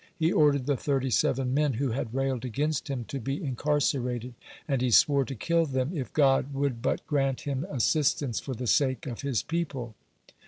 He ordered the thirty seven (16) men who had railed against him to be incarcerated, and he swore to kill them, if God would but grant him assistance for the sake of His people.